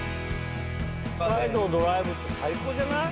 北海道ドライブって最高じゃない？